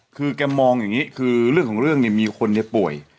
คือแกมองอย่างนี้คือเรื่องของเรื่องเนี่ยมีคนป่วย